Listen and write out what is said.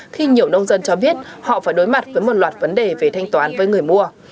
khi nhiều nông dân cho biết họ phải đối mặt với một loạt vấn đề về thanh toán với người mua